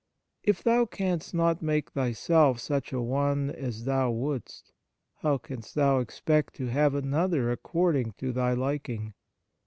" If thou canst not make thyself such a one as thou wouldst, how canst thou expect to have another according to thy liking?